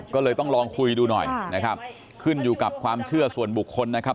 ก็เลยต้องลองคุยดูหน่อยนะครับขึ้นอยู่กับความเชื่อส่วนบุคคลนะครับ